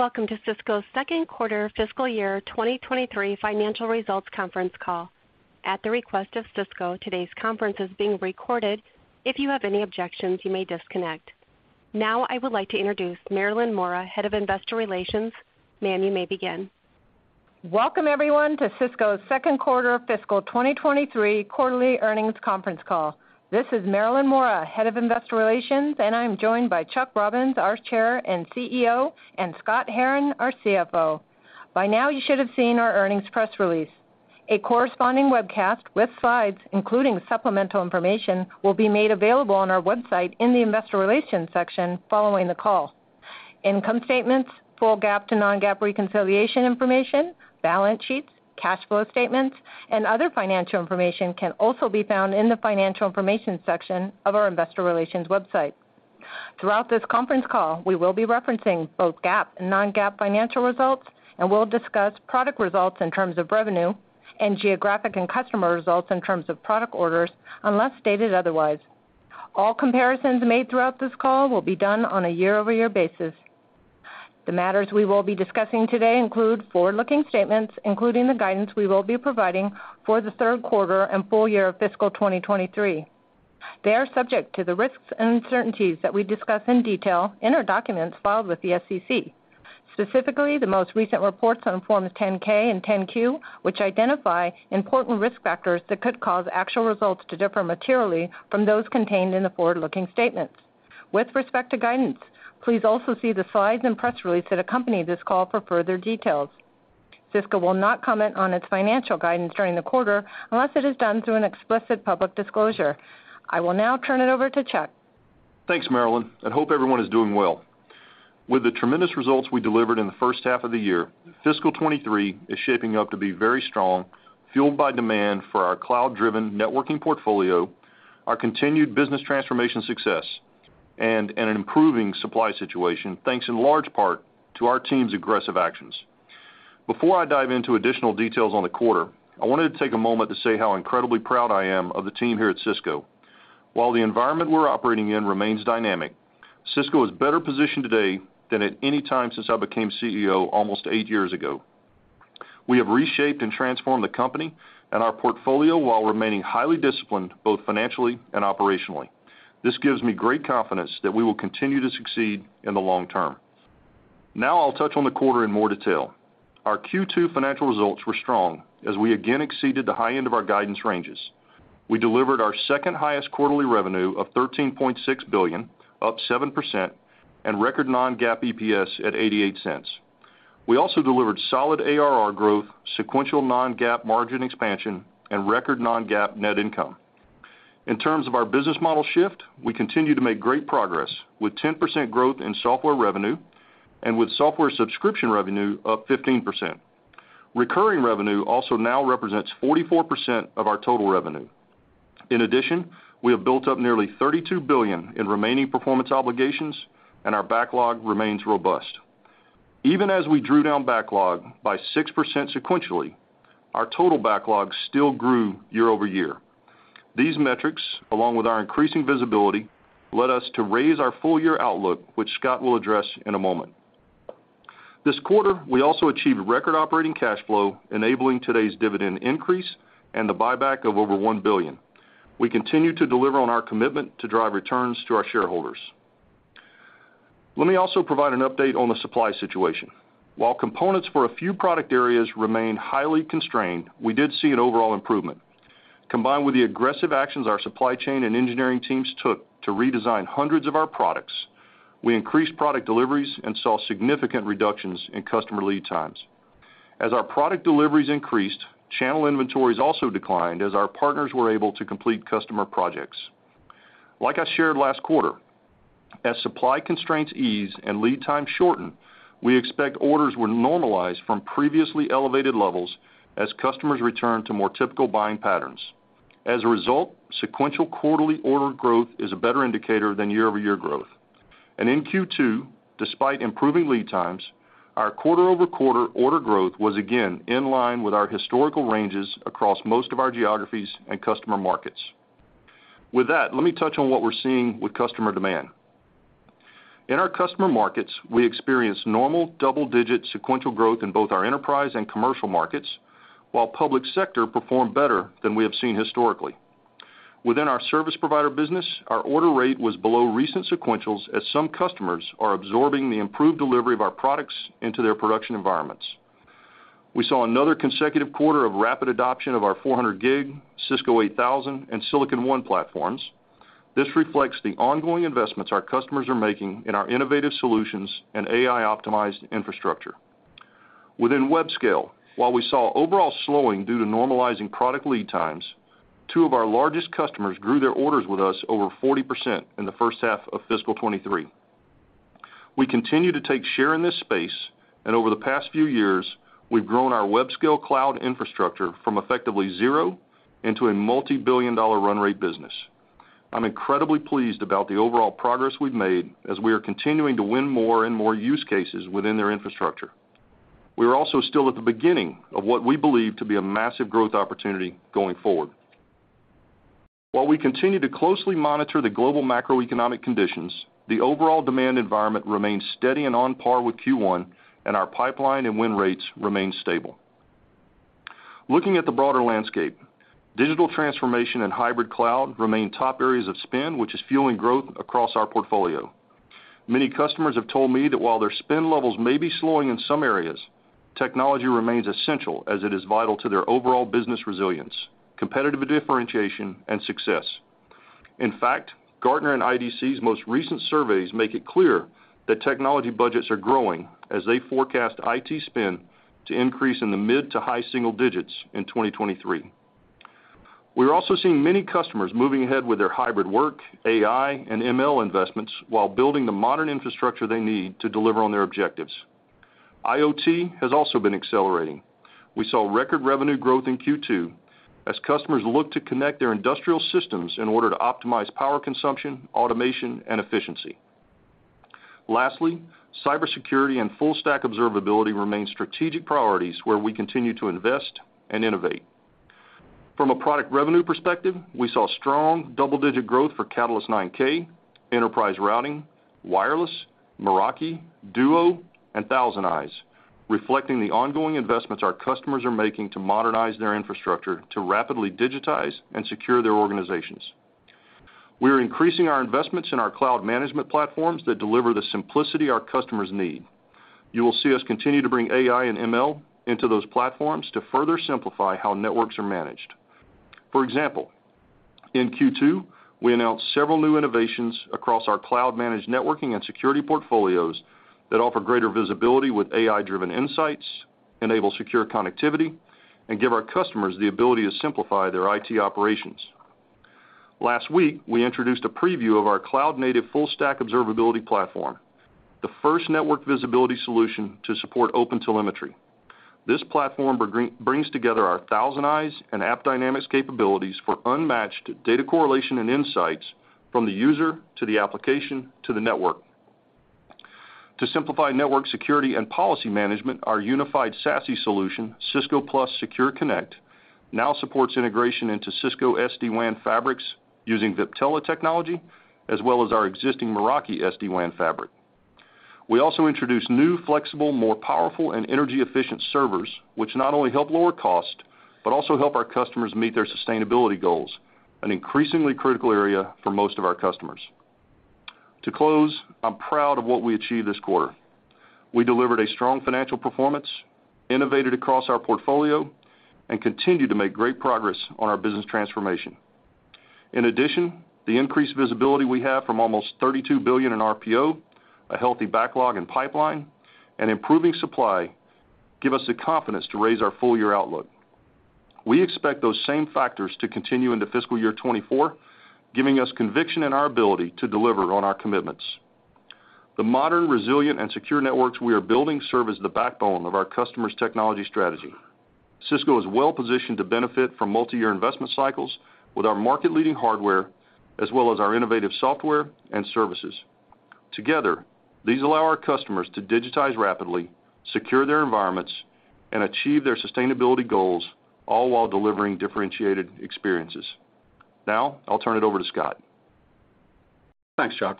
Welcome to Cisco's second quarter fiscal year 2023 financial results conference call. At the request of Cisco, today's conference is being recorded. If you have any objections, you may disconnect. I would like to introduce Marilyn Mora, Head of Investor Relations. Ma'am, you may begin. Welcome, everyone, to Cisco's 2nd quarter fiscal 2023 quarterly earnings conference call. This is Marilyn Mora, Head of Investor Relations, and I'm joined by Chuck Robbins, our Chair and CEO, and Scott Herren, our CFO. By now, you should have seen our earnings press release. A corresponding webcast with slides, including supplemental information, will be made available on our website in the Investor Relations section following the call. Income statements, full GAAP to non-GAAP reconciliation information, balance sheets, cash flow statements, and other financial information can also be found in the Financial Information section of our Investor Relations website. Throughout this conference call, we will be referencing both GAAP and non-GAAP financial results, and we'll discuss product results in terms of revenue and geographic and customer results in terms of product orders, unless stated otherwise. All comparisons made throughout this call will be done on a year-over-year basis. The matters we will be discussing today include forward-looking statements, including the guidance we will be providing for the third quarter and full year of fiscal 2023. They are subject to the risks and uncertainties that we discuss in detail in our documents filed with the SEC, specifically the most recent reports on Forms 10-K and 10-Q, which identify important risk factors that could cause actual results to differ materially from those contained in the forward-looking statements. With respect to guidance, please also see the slides and press release that accompany this call for further details. Cisco will not comment on its financial guidance during the quarter unless it is done through an explicit public disclosure. I will now turn it over to Chuck. Thanks, Marilyn. Hope everyone is doing well. With the tremendous results we delivered in the first half of the year, fiscal 2023 is shaping up to be very strong, fueled by demand for our cloud-driven networking portfolio, our continued business transformation success, and an improving supply situation, thanks in large part to our team's aggressive actions. Before I dive into additional details on the quarter, I wanted to take a moment to say how incredibly proud I am of the team here at Cisco. While the environment we're operating in remains dynamic, Cisco is better positioned today than at any time since I became CEO almost eight years ago. We have reshaped and transformed the company and our portfolio while remaining highly disciplined, both financially and operationally. This gives me great confidence that we will continue to succeed in the long term. Now I'll touch on the quarter in more detail. Our Q2 financial results were strong as we again exceeded the high end of our guidance ranges. We delivered our second highest quarterly revenue of $13.6 billion, up 7%, and record non-GAAP EPS at $0.88. We also delivered solid ARR growth, sequential non-GAAP margin expansion, and record non-GAAP net income. In terms of our business model shift, we continue to make great progress with 10% growth in software revenue and with software subscription revenue up 15%. Recurring revenue also now represents 44% of our total revenue. We have built up nearly $32 billion in remaining performance obligations, and our backlog remains robust. Even as we drew down backlog by 6% sequentially, our total backlog still grew year-over-year. These metrics, along with our increasing visibility, led us to raise our full year outlook, which Scott will address in a moment. This quarter, we also achieved record operating cash flow, enabling today's dividend increase and the buyback of over $1 billion. We continue to deliver on our commitment to drive returns to our shareholders. Let me also provide an update on the supply situation. While components for a few product areas remain highly constrained, we did see an overall improvement. Combined with the aggressive actions our supply chain and engineering teams took to redesign hundreds of our products, we increased product deliveries and saw significant reductions in customer lead times. As our product deliveries increased, channel inventories also declined as our partners were able to complete customer projects. Like I shared last quarter, as supply constraints ease and lead time shorten, we expect orders will normalize from previously elevated levels as customers return to more typical buying patterns. As a result, sequential quarterly order growth is a better indicator than year-over-year growth. In Q2, despite improving lead times, our quarter-over-quarter order growth was again in line with our historical ranges across most of our geographies and customer markets. With that, let me touch on what we're seeing with customer demand. In our customer markets, we experienced normal double-digit sequential growth in both our enterprise and commercial markets, while public sector performed better than we have seen historically. Within our service provider business, our order rate was below recent sequentials as some customers are absorbing the improved delivery of our products into their production environments. We saw another consecutive quarter of rapid adoption of our 400 gig Cisco 8000 and Silicon One platforms. This reflects the ongoing investments our customers are making in our innovative solutions and AI-optimized infrastructure. Within web scale, while we saw overall slowing due to normalizing product lead times, two of our largest customers grew their orders with us over 40% in the first half of fiscal 2023. We continue to take share in this space, and over the past few years, we've grown our web scale cloud infrastructure from effectively zero into a multi-billion dollar run rate business. I'm incredibly pleased about the overall progress we've made as we are continuing to win more and more use cases within their infrastructure. We are also still at the beginning of what we believe to be a massive growth opportunity going forward. While we continue to closely monitor the global macroeconomic conditions, the overall demand environment remains steady and on par with Q1, and our pipeline and win rates remain stable. Looking at the broader landscape, digital transformation and hybrid cloud remain top areas of spend, which is fueling growth across our portfolio. Many customers have told me that while their spend levels may be slowing in some areas, technology remains essential as it is vital to their overall business resilience, competitive differentiation, and success. In fact, Gartner and IDC's most recent surveys make it clear that technology budgets are growing as they forecast IT spend to increase in the mid to high single digits in 2023. We're also seeing many customers moving ahead with their hybrid work, AI, and ML investments while building the modern infrastructure they need to deliver on their objectives. IoT has also been accelerating. We saw record revenue growth in Q2 as customers look to connect their industrial systems in order to optimize power consumption, automation, and efficiency. Cybersecurity and full-stack observability remain strategic priorities where we continue to invest and innovate. From a product revenue perspective, we saw strong double-digit growth for Catalyst 9K, enterprise routing, wireless, Meraki, Duo, and ThousandEyes, reflecting the ongoing investments our customers are making to modernize their infrastructure to rapidly digitize and secure their organizations. We are increasing our investments in our cloud management platforms that deliver the simplicity our customers need. You will see us continue to bring AI and ML into those platforms to further simplify how networks are managed. For example, in Q2, we announced several new innovations across our cloud-managed networking and security portfolios that offer greater visibility with AI-driven insights, enable secure connectivity, and give our customers the ability to simplify their IT operations. Last week, we introduced a preview of our cloud-native full-stack observability platform, the first network visibility solution to support OpenTelemetry. This platform brings together our ThousandEyes and AppDynamics capabilities for unmatched data correlation and insights from the user to the application to the network. To simplify network security and policy management, our unified SASE solution, Cisco+ Secure Connect, now supports integration into Cisco SD-WAN fabrics using Viptela technology, as well as our existing Meraki SD-WAN fabric. We also introduced new, flexible, more powerful, and energy-efficient servers, which not only help lower cost but also help our customers meet their sustainability goals, an increasingly critical area for most of our customers. To close, I'm proud of what we achieved this quarter. We delivered a strong financial performance, innovated across our portfolio, and continued to make great progress on our business transformation. The increased visibility we have from almost $32 billion in RPO, a healthy backlog in pipeline, and improving supply give us the confidence to raise our full year outlook. We expect those same factors to continue into fiscal year 2024, giving us conviction in our ability to deliver on our commitments. The modern, resilient, and secure networks we are building serve as the backbone of our customers' technology strategy. Cisco is well-positioned to benefit from multiyear investment cycles with our market-leading hardware as well as our innovative software and services. Together, these allow our customers to digitize rapidly, secure their environments, and achieve their sustainability goals, all while delivering differentiated experiences. I'll turn it over to Scott. Thanks, Chuck.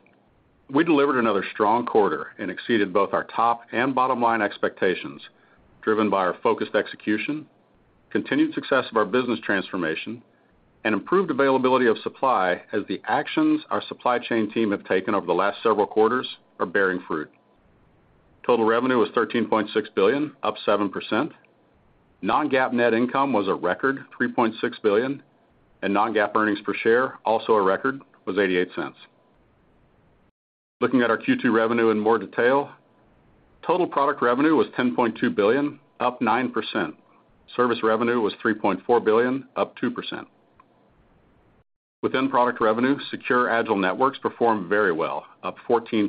We delivered another strong quarter and exceeded both our top and bottom-line expectations, driven by our focused execution, continued success of our business transformation, and improved availability of supply as the actions our supply chain team have taken over the last several quarters are bearing fruit. Total revenue was $13.6 billion, up 7%. Non-GAAP net income was a record $3.6 billion, and non-GAAP earnings per share, also a record, was $0.88. Looking at our Q2 revenue in more detail, total product revenue was $10.2 billion, up 9%. Service revenue was $3.4 billion, up 2%. Within product revenue, Secure, Agile Networks performed very well, up 14%.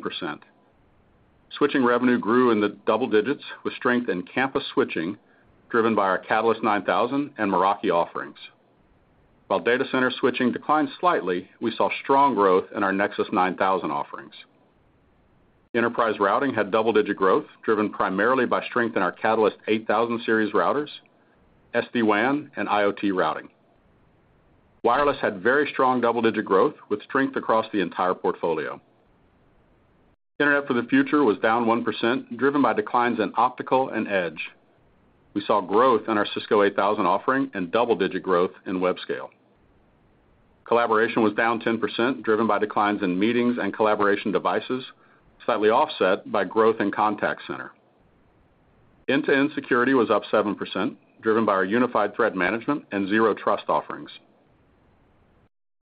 Switching revenue grew in the double digits with strength in campus switching, driven by our Catalyst 9000 and Meraki offerings. While data center switching declined slightly, we saw strong growth in our Nexus 9000 offerings. Enterprise routing had double-digit growth, driven primarily by strength in our Catalyst 8000 series routers, SD-WAN, and IoT routing. Wireless had very strong double-digit growth with strength across the entire portfolio. Internet for the Future was down 1%, driven by declines in optical and edge. We saw growth in our Cisco 8000 offering and double-digit growth in web scale. Collaboration was down 10%, driven by declines in meetings and collaboration devices, slightly offset by growth in contact center. End-to-End Security was up 7%, driven by our unified threat management and zero trust offerings.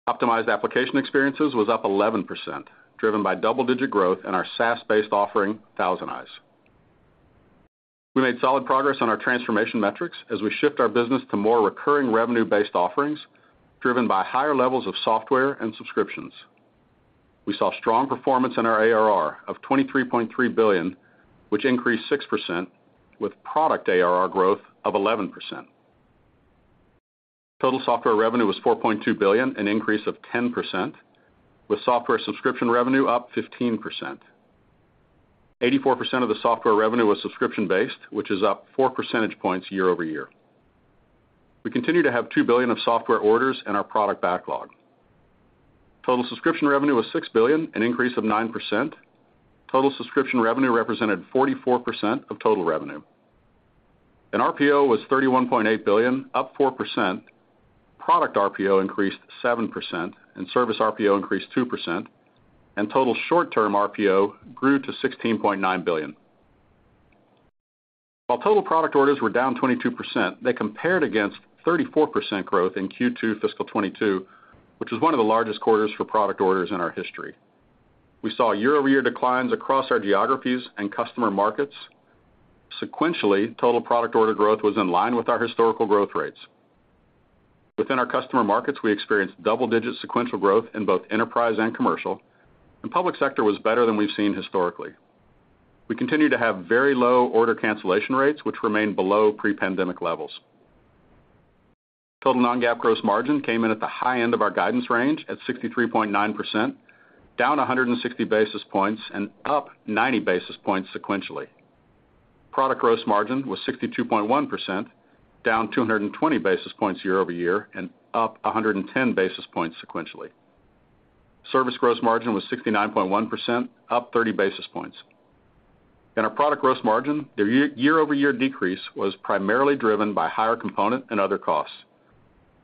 Optimized Application Experiences was up 11%, driven by double-digit growth in our SaaS-based offering, ThousandEyes. We made solid progress on our transformation metrics as we shift our business to more recurring revenue-based offerings, driven by higher levels of software and subscriptions. We saw strong performance in our ARR of $23.3 billion, which increased 6% with product ARR growth of 11%. Total software revenue was $4.2 billion, an increase of 10%, with software subscription revenue up 15%. 84% of the software revenue was subscription-based, which is up four percentage points year-over-year. We continue to have $2 billion of software orders in our product backlog. Total subscription revenue was $6 billion, an increase of 9%. Total subscription revenue represented 44% of total revenue. RPO was $31.8 billion, up 4%. Product RPO increased 7%, service RPO increased 2%, and total short-term RPO grew to $16.9 billion. While total product orders were down 22%, they compared against 34% growth in Q2 fiscal 2022, which was one of the largest quarters for product orders in our history. We saw year-over-year declines across our geographies and customer markets. Sequentially, total product order growth was in line with our historical growth rates. Within our customer markets, we experienced double-digit sequential growth in both enterprise and commercial, and public sector was better than we've seen historically. We continue to have very low order cancellation rates, which remain below pre-pandemic levels. Total non-GAAP gross margin came in at the high end of our guidance range at 63.9%, down 160 basis points and up 90 basis points sequentially. Product gross margin was 62.1%, down 220 basis points year-over-year, and up 110 basis points sequentially. Service gross margin was 69.1%, up 30 basis points. In our product gross margin, the year-over-year decrease was primarily driven by higher component and other costs.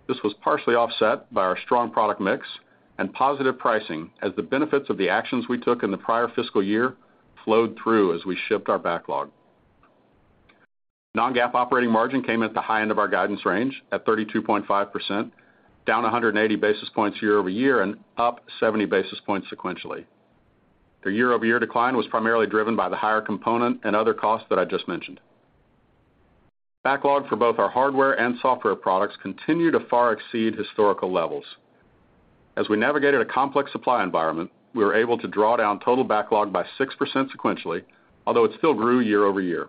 This was partially offset by our strong product mix and positive pricing as the benefits of the actions we took in the prior fiscal year flowed through as we shipped our backlog. Non-GAAP operating margin came at the high end of our guidance range at 32.5%, down 180 basis points year-over-year and up 70 basis points sequentially. The year-over-year decline was primarily driven by the higher component and other costs that I just mentioned. Backlog for both our hardware and software products continue to far exceed historical levels. As we navigated a complex supply environment, we were able to draw down total backlog by 6% sequentially, although it still grew year-over-year.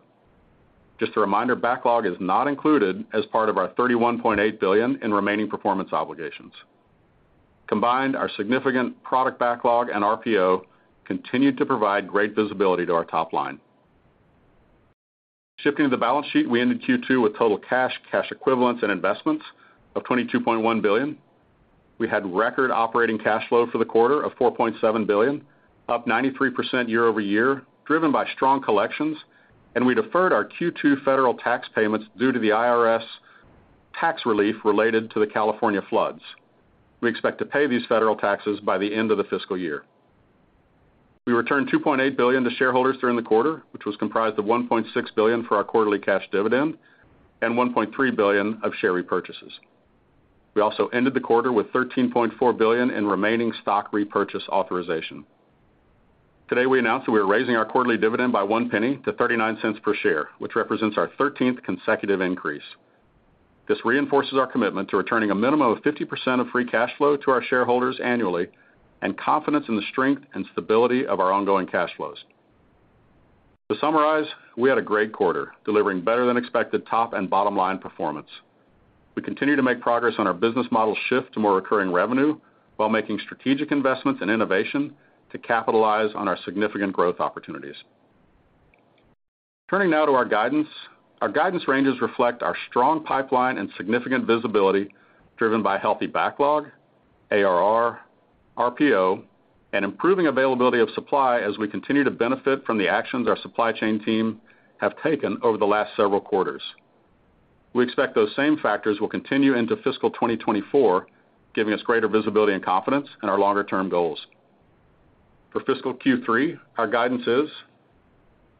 Just a reminder, backlog is not included as part of our $31.8 billion in remaining performance obligations. Combined, our significant product backlog and RPO continued to provide great visibility to our top line. Shifting to the balance sheet, we ended Q2 with total cash equivalents, and investments of $22.1 billion. We had record operating cash flow for the quarter of $4.7 billion, up 93% year-over-year, driven by strong collections, and we deferred our Q2 federal tax payments due to the IRS tax relief related to the California floods. We expect to pay these federal taxes by the end of the fiscal year. We returned $2.8 billion to shareholders during the quarter, which was comprised of $1.6 billion for our quarterly cash dividend and $1.3 billion of share repurchases. We also ended the quarter with $13.4 billion in remaining stock repurchase authorization. Today, we announced that we are raising our quarterly dividend by one penny to $0.39 per share, which represents our 13th consecutive increase. This reinforces our commitment to returning a minimum of 50% of free cash flow to our shareholders annually and confidence in the strength and stability of our ongoing cash flows. To summarize, we had a great quarter, delivering better than expected top and bottom line performance. We continue to make progress on our business model shift to more recurring revenue while making strategic investments in innovation to capitalize on our significant growth opportunities. Turning now to our guidance. Our guidance ranges reflect our strong pipeline and significant visibility driven by healthy backlog, ARR, RPO, and improving availability of supply as we continue to benefit from the actions our supply chain team have taken over the last several quarters. We expect those same factors will continue into fiscal 2024, giving us greater visibility and confidence in our longer-term goals. For fiscal Q3, our guidance is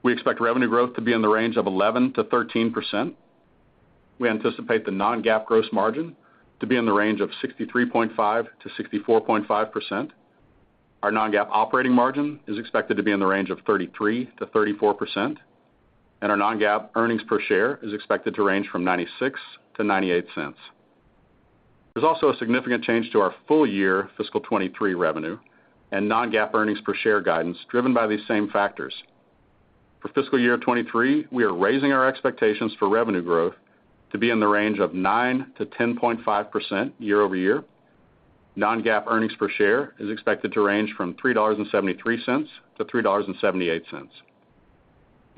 we expect revenue growth to be in the range of 11%-13%. We anticipate the non-GAAP gross margin to be in the range of 63.5%-64.5%. Our non-GAAP operating margin is expected to be in the range of 33%-34%, and our non-GAAP earnings per share is expected to range from $0.96-$0.98. There's also a significant change to our full year fiscal 23 revenue and non-GAAP earnings per share guidance driven by these same factors. For fiscal year 23, we are raising our expectations for revenue growth to be in the range of 9%-10.5% year-over-year. Non-GAAP earnings per share is expected to range from $3.73-$3.78.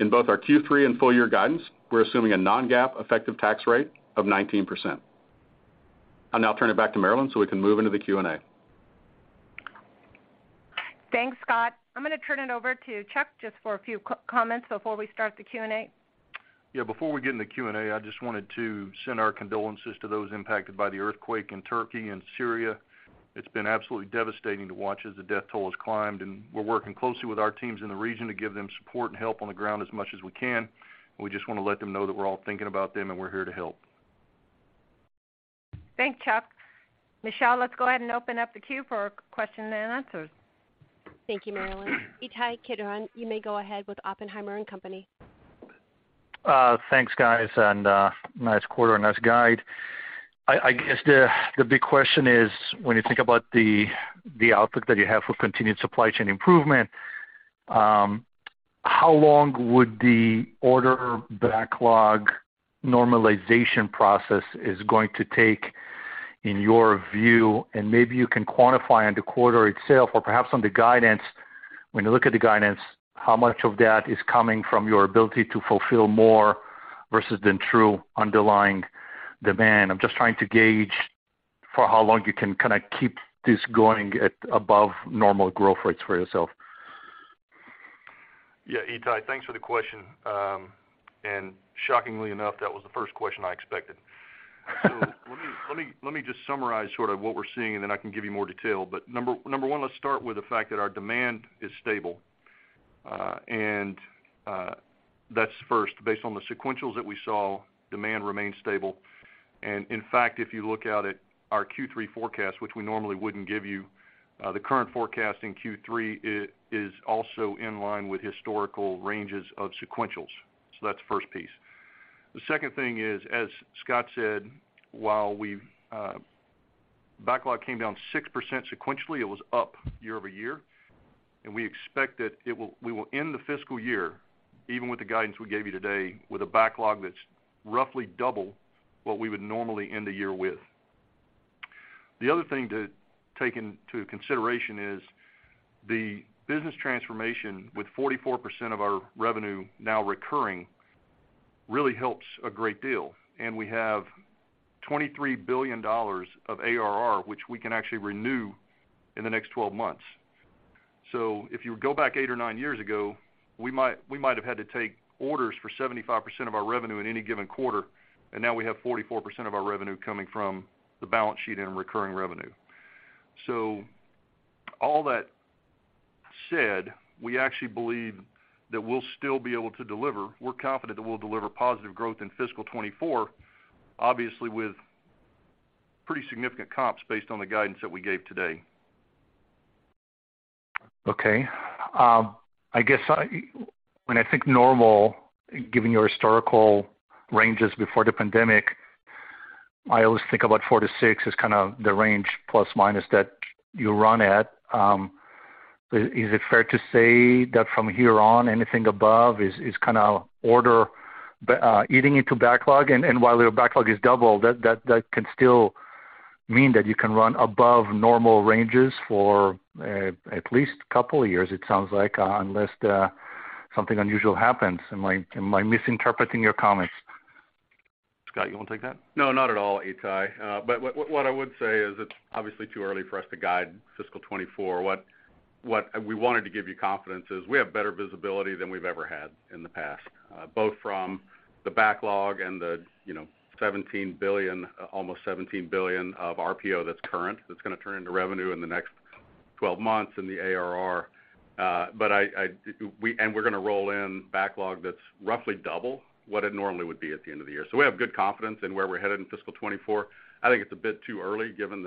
In both our Q3 and full year guidance, we're assuming a non-GAAP effective tax rate of 19%. I'll now turn it back to Marilyn so we can move into the Q&A. Thanks, Scott. I'm gonna turn it over to Chuck just for a few comments before we start the Q&A. Yeah. Before we get into Q&A, I just wanted to send our condolences to those impacted by the earthquake in Turkey and Syria. It's been absolutely devastating to watch as the death toll has climbed, and we're working closely with our teams in the region to give them support and help on the ground as much as we can. We just wanna let them know that we're all thinking about them, and we're here to help. Thanks, Chuck. Michelle, let's go ahead and open up the queue for our question and answers. Thank you, Marilyn. Ittai Kidron, you may go ahead with Oppenheimer & Co. Thanks, guys, and nice quarter, nice guide. I guess the big question is, when you think about the outlook that you have for continued supply chain improvement, how long would the order backlog normalization process is going to take? In your view, and maybe you can quantify on the quarter itself or perhaps on the guidance, when you look at the guidance, how much of that is coming from your ability to fulfill more versus the true underlying demand? I'm just trying to gauge for how long you can kind of keep this going at above normal growth rates for yourself. Yeah, Ittai, thanks for the question. Shockingly enough, that was the first question I expected. Let me just summarize sort of what we're seeing, and then I can give you more detail. Number one, let's start with the fact that our demand is stable. That's first, based on the sequentials that we saw, demand remains stable. In fact, if you look out at our Q3 forecast, which we normally wouldn't give you, the current forecast in Q3 is also in line with historical ranges of sequentials. That's the first piece. The second thing is, as Scott said, while we backlog came down 6% sequentially, it was up year-over-year. We expect that we will end the fiscal year, even with the guidance we gave you today, with a backlog that's roughly double what we would normally end the year with. The other thing to take into consideration is the business transformation with 44% of our revenue now recurring really helps a great deal. We have $23 billion of ARR, which we can actually renew in the next 12 months. If you go back eight or eight years ago, we might have had to take orders for 75% of our revenue in any given quarter, and now we have 44% of our revenue coming from the balance sheet in recurring revenue. All that said, we actually believe that we'll still be able to deliver. We're confident that we'll deliver positive growth in fiscal 2024, obviously with pretty significant comps based on the guidance that we gave today. Okay. I guess when I think normal, given your historical ranges before the pandemic, I always think about 4-6 is kind of the range plus or minus that you run at. Is it fair to say that from here on, anything above is kind of order eating into backlog? While your backlog is double, that can still mean that you can run above normal ranges for at least a couple of years, it sounds like, unless something unusual happens. Am I misinterpreting your comments? Scott, you wanna take that? No, not at all, Ittai. What I would say is it's obviously too early for us to guide fiscal 2024. What we wanted to give you confidence is we have better visibility than we've ever had in the past, both from the backlog and the, you know, $17 billion, almost $17 billion of RPO that's current, that's gonna turn into revenue in the next 12 months in the ARR. We're gonna roll in backlog that's roughly double what it normally would be at the end of the year. We have good confidence in where we're headed in fiscal 2024. I think it's a bit too early, given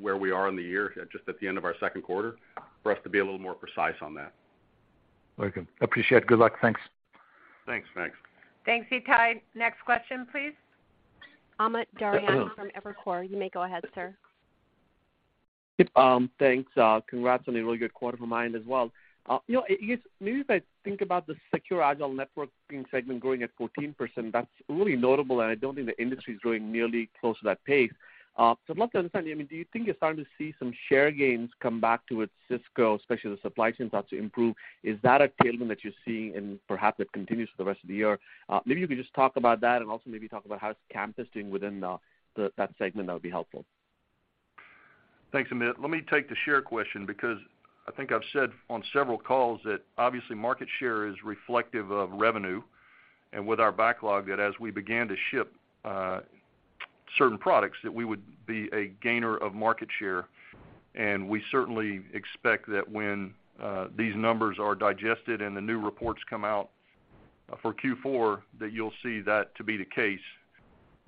where we are in the year, just at the end of our second quarter, for us to be a little more precise on that. Very good. Appreciate it. Good luck. Thanks. Thanks. Thanks. Thanks, Ittai. Next question, please. Amit Daryanani from Evercore. You may go ahead, sir. Yep, thanks. Congrats on a really good quarter for Mind as well. You know, I guess maybe if I think about the Secure, Agile Networks segment growing at 14%, that's really notable, and I don't think the industry is growing nearly close to that pace. I'd love to understand, I mean, do you think you're starting to see some share gains come back towards Cisco, especially the supply chain starts to improve? Is that a tailwind that you're seeing and perhaps that continues for the rest of the year? Maybe you could just talk about that and also maybe talk about how's campus doing within that segment, that would be helpful. Thanks, Amit. Let me take the share question because I think I've said on several calls that obviously market share is reflective of revenue and with our backlog, that as we began to ship, certain products, that we would be a gainer of market share. We certainly expect that when these numbers are digested and the new reports come out, for Q4, that you'll see that to be the case.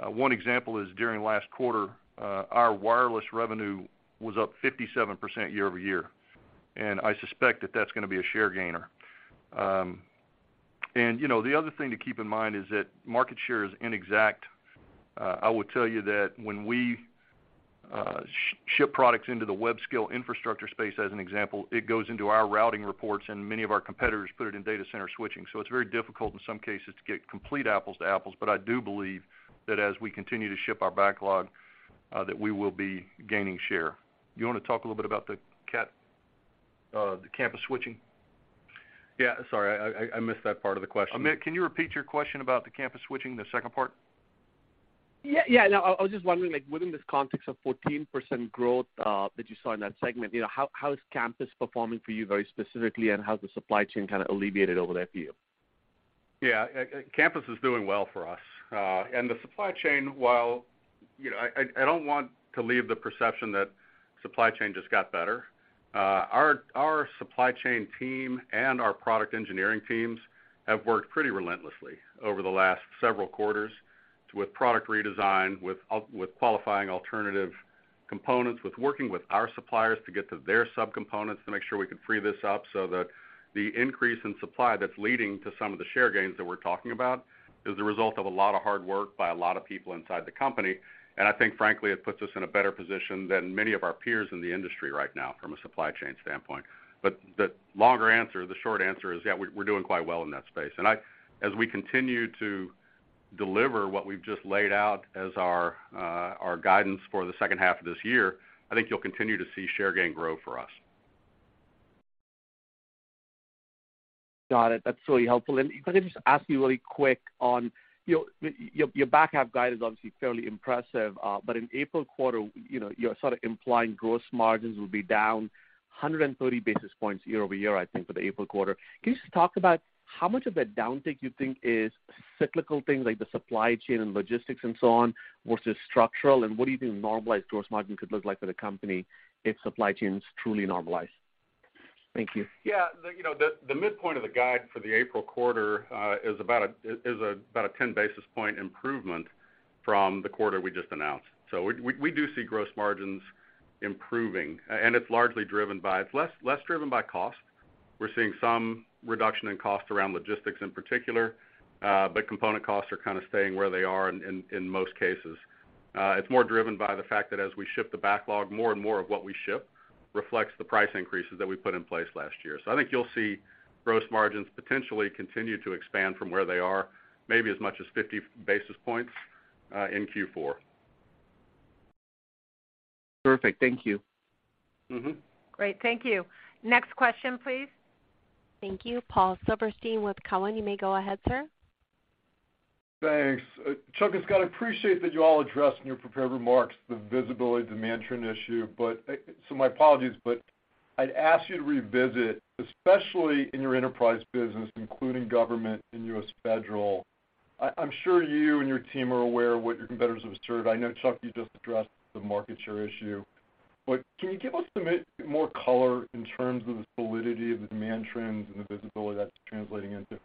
One example is during last quarter, our wireless revenue was up 57% year-over-year, and I suspect that that's gonna be a share gainer. You know, the other thing to keep in mind is that market share is inexact. I will tell you that when we ship products into the web scale infrastructure space, as an example, it goes into our routing reports, and many of our competitors put it in data center switching. It's very difficult in some cases to get complete apples to apples, but I do believe that as we continue to ship our backlog, that we will be gaining share. You wanna talk a little bit about the campus switching? Yeah. Sorry, I missed that part of the question. Amit, can you repeat your question about the campus switching, the second part? Yeah, yeah. No, I was just wondering, like within this context of 14% growth, that you saw in that segment, you know, how is campus performing for you very specifically, and how's the supply chain kind of alleviated over there for you? Yeah. Campus is doing well for us. The supply chain, while, you know, I don't want to leave the perception that supply chain just got better. Our supply chain team and our product engineering teams have worked pretty relentlessly over the last several quarters with product redesign, with qualifying alternative components. With working with our suppliers to get to their subcomponents to make sure we can free this up so that the increase in supply that's leading to some of the share gains that we're talking about is the result of a lot of hard work by a lot of people inside the company. I think frankly, it puts us in a better position than many of our peers in the industry right now from a supply chain standpoint. The longer answer, the short answer is, yeah, we're doing quite well in that space. As we continue to deliver what we've just laid out as our guidance for the second half of this year, I think you'll continue to see share gain grow for us. Got it. That's really helpful. Could I just ask you really quick on your back half guide is obviously fairly impressive, but in April quarter, you know, you're sort of implying gross margins will be down 130 basis points year-over-year, I think, for the April quarter? Can you just talk about how much of that downtick you think is cyclical things like the supply chain and logistics and so on versus structural, and what do you think normalized gross margin could look like for the company if supply chains truly normalize? Thank you. Yeah. The, you know, the midpoint of the guide for the April quarter is about a 10 basis point improvement from the quarter we just announced. We do see gross margins improving, and it's less driven by cost. We're seeing some reduction in cost around logistics in particular, component costs are kind of staying where they are in most cases. It's more driven by the fact that as we ship the backlog, more and more of what we ship reflects the price increases that we put in place last year. I think you'll see gross margins potentially continue to expand from where they are, maybe as much as 50 basis points in Q4. Perfect. Thank you. Mm-hmm. Great. Thank you. Next question, please. Thank you. Paul Silverstein with Cowen. You may go ahead, sir. Thanks. Chuck and Scott, I appreciate that you all addressed in your prepared remarks the visibility demand trend issue, but my apologies, but I'd ask you to revisit, especially in your enterprise business, including government and U.S. federal. I'm sure you and your team are aware of what your competitors observed. I know, Chuck, you just addressed the market share issue. Can you give us some more color in terms of the solidity of the demand trends and the visibility that's translating into?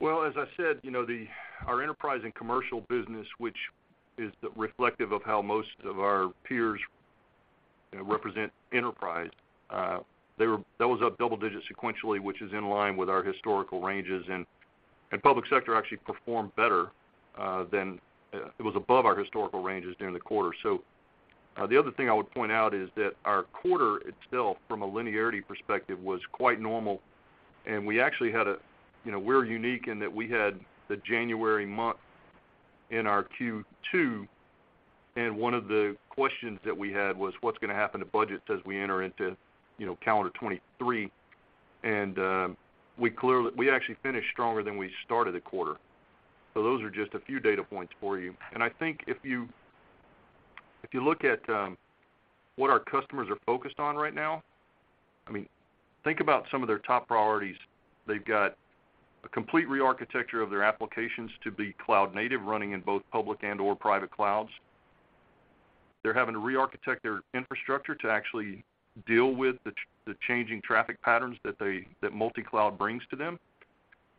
Well, as I said, you know, our enterprise and commercial business, which is the reflective of how most of our peers, you know, represent enterprise, that was up double digits sequentially, which is in line with our historical ranges. Public sector actually performed better than it was above our historical ranges during the quarter. The other thing I would point out is that our quarter itself from a linearity perspective was quite normal. We actually had a, you know, we're unique in that we had the January month in our Q2, and one of the questions that we had was what's gonna happen to budgets as we enter into, you know, calendar 2023. We actually finished stronger than we started the quarter. Those are just a few data points for you. I think if you, if you look at what our customers are focused on right now, I mean, think about some of their top priorities. They've got a complete rearchitecture of their applications to be cloud native running in both public and/or private clouds. They're having to rearchitect their infrastructure to actually deal with the changing traffic patterns that they, that multi-cloud brings to them.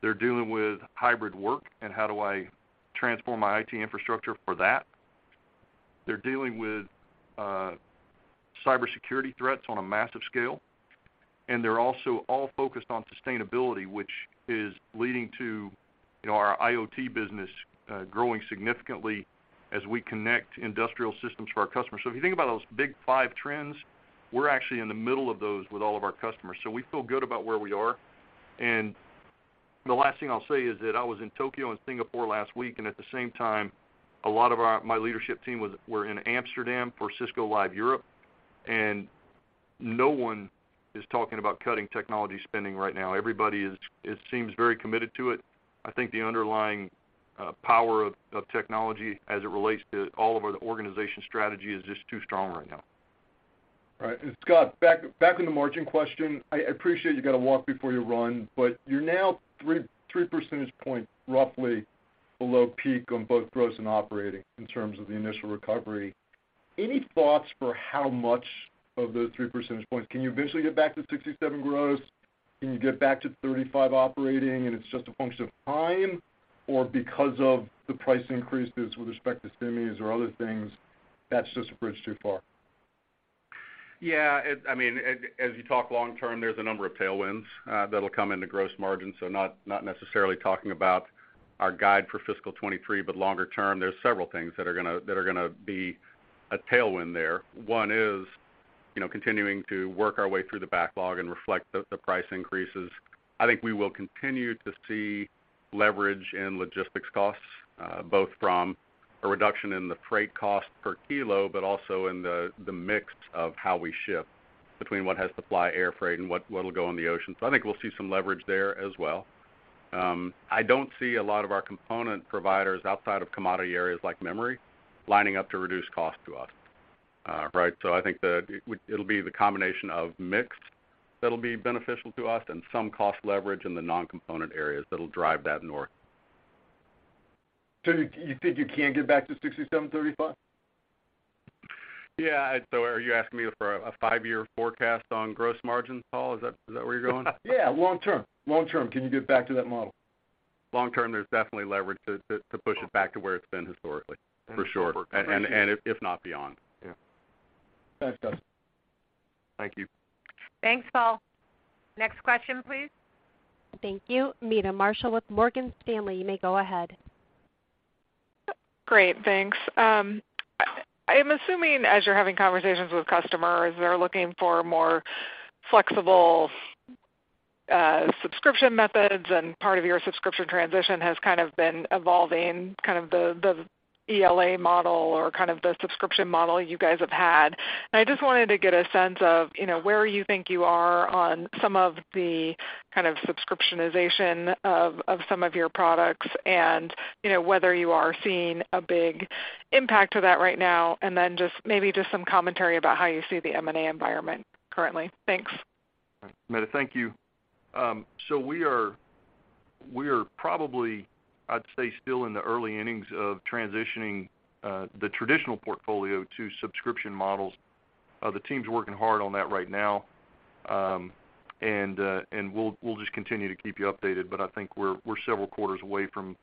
They're dealing with hybrid work, and how do I transform my IT infrastructure for that. They're dealing with cybersecurity threats on a massive scale, and they're also all focused on sustainability, which is leading to, you know, our IoT business growing significantly as we connect industrial systems for our customers. If you think about those big five trends, we're actually in the middle of those with all of our customers, so we feel good about where we are. The last thing I'll say is that I was in Tokyo and Singapore last week, and at the same time, a lot of our, my leadership team were in Amsterdam for Cisco Live Europe. No one is talking about cutting technology spending right now. Everybody is, it seems, very committed to it. I think the underlying power of technology as it relates to all of our organization strategy is just too strong right now. All right. Scott, back on the margin question. I appreciate you gotta walk before you run, but you're now three percentage points roughly below peak on both gross and operating in terms of the initial recovery. Any thoughts for how much of those three percentage points? Can you eventually get back to 67 gross? Can you get back to 35 operating, and it's just a function of time? Because of the price increases with respect to semis or other things, that's just a bridge too far? Yeah. I mean, as you talk long term, there's a number of tailwinds that'll come into gross margins. Not necessarily talking about our guide for fiscal 2023, but longer term, there's several things that are gonna be a tailwind there. One is, you know, continuing to work our way through the backlog and reflect the price increases. I think we will continue to see leverage in logistics costs, both from a reduction in the freight cost per kilo, but also in the mix of how we ship between what has to fly air freight and what'll go on the ocean. I think we'll see some leverage there as well. I don't see a lot of our component providers outside of commodity areas like memory lining up to reduce cost to us. Right?I think the, it'll be the combination of mix that'll be beneficial to us and some cost leverage in the non-component areas that'll drive that north. You think you can get back to $67.35? Yeah. Are you asking me for a five-year forecast on gross margins, Paul? Is that where you're going? Yeah. Long term. Long term, can you get back to that model? Long term, there's definitely leverage to push it back to where it's been historically, for sure. If not beyond. Yeah. Thanks, Scott. Thank you. Thanks, Paul. Next question, please. Thank you. Meta Marshall with Morgan Stanley, you may go ahead. Great. Thanks. I am assuming as you're having conversations with customers, they're looking for more flexible, subscription methods and part of your subscription transition has kind of been evolving kind of the ELA model or kind of the subscription model you guys have had. I just wanted to get a sense of, you know, where you think you are on some of the kind of subscriptionization of some of your products and, you know, whether you are seeing a big impact to that right now, and then just maybe just some commentary about how you see the M&A environment currently. Thanks. Meta, thank you. We are probably, I'd say, still in the early innings of transitioning the traditional portfolio to subscription models. The team's working hard on that right now, we'll just continue to keep you updated. I think we're several quarters away from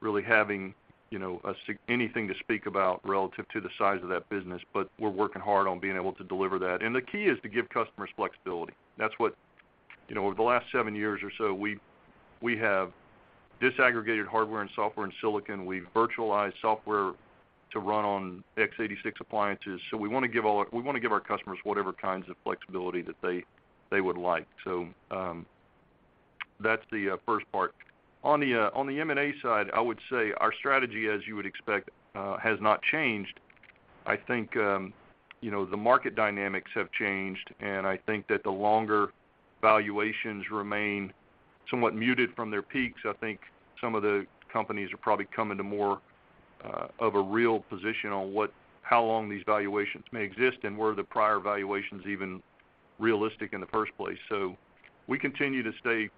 really having, you know, anything to speak about relative to the size of that business, but we're working hard on being able to deliver that. The key is to give customers flexibility. That's what, you know, over the last 7 years or so, we have disaggregated hardware and software and silicon. We've virtualized software to run on x86 appliances. We wanna give our customers whatever kinds of flexibility that they would like. That's the first part. On the M&A side, I would say our strategy, as you would expect, has not changed. I think, you know, the market dynamics have changed, and I think that the longer valuations remain somewhat muted from their peaks, I think some of the companies are probably coming to more of a real position on how long these valuations may exist and were the prior valuations even realistic in the first place. We continue to stay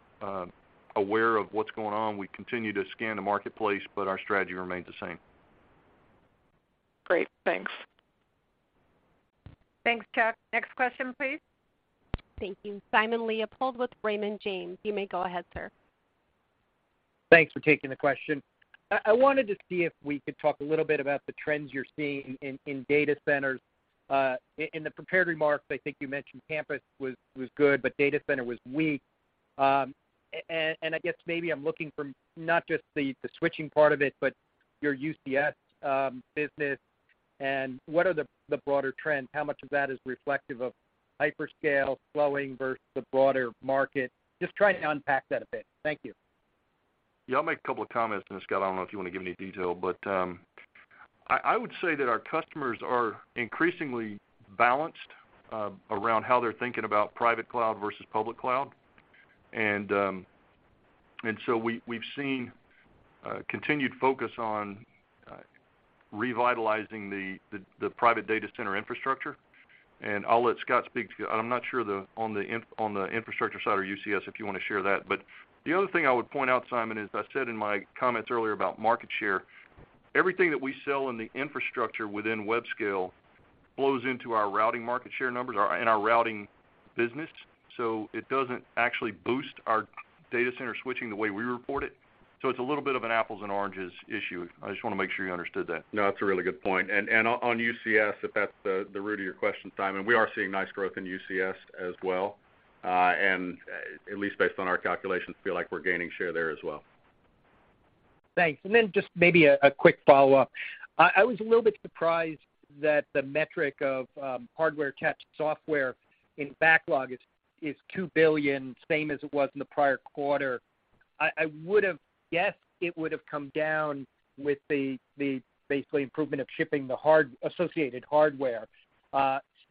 aware of what's going on. We continue to scan the marketplace. Our strategy remains the same. Great. Thanks. Thanks, Chuck. Next question, please. Thank you. Simon Leopold with Raymond James. You may go ahead, sir. Thanks for taking the question. I wanted to see if we could talk a little bit about the trends you're seeing in data centers. In the prepared remarks, I think you mentioned campus was good, but data center was weak. I guess maybe I'm looking for not just the switching part of it, but your UCS business and what are the broader trends, how much of that is reflective of hyperscale slowing versus the broader market? Just trying to unpack that a bit. Thank you. Yeah, I'll make a couple of comments, and Scott, I don't know if you wanna give any detail, but I would say that our customers are increasingly balanced around how they're thinking about private cloud versus public cloud. We, we've seen continued focus on revitalizing the private data center infrastructure, and I'll let Scott speak to, I'm not sure on the infrastructure side or UCS, if you wanna share that. The other thing I would point out, Simon, as I said in my comments earlier about market share, everything that we sell in the infrastructure within web scale flows into our routing market share numbers, in our routing business. It doesn't actually boost our data center switching the way we report it. It's a little bit of an apples and oranges issue. I just wanna make sure you understood that. No, that's a really good point. On UCS, if that's the root of your question, Simon, we are seeing nice growth in UCS as well. At least based on our calculations, feel like we're gaining share there as well. Thanks. Just maybe a quick follow-up. I was a little bit surprised that the metric of, hardware attached to software in backlog is $2 billion, same as it was in the prior quarter. I would've guessed it would've come down with the basically improvement of shipping the associated hardware.